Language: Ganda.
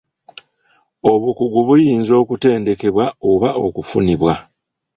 Obukugu buyinza okutendekebwa oba okufunibwa.